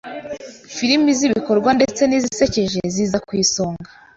filimi z’ibikorwa ndetse n’izisekeje ziza ku isonga